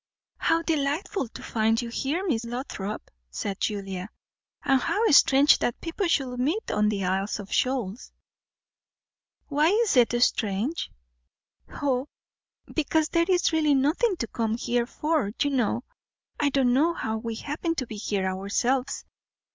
"How delightful to find you here, Miss Lothrop!" said Julia, "and how strange that people should meet on the Isles of Shoals." "Why is it strange?" "O, because there is really nothing to come here for, you know. I don't know how we happen to be here ourselves.